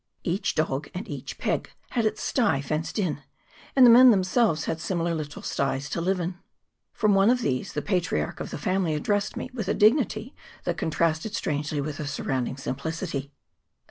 Each dog and each pig had its sty fenced in, and the men themselves had similar little sties to live in : from one of these the patriarch of the family addressed me with a dignity that contrasted strangely with the surrounding simplicity.